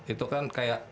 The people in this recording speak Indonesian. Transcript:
itu kan kayak